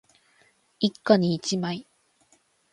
一家に一枚